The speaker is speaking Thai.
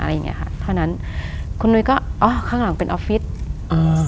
อะไรอย่างเงี้ค่ะเท่านั้นคุณนุ้ยก็อ๋อข้างหลังเป็นออฟฟิศอ่า